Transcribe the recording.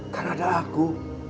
karena ada aku